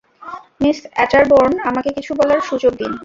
Miss Otterbourne, আমাকে কিছু বলার সুযোগ দিন!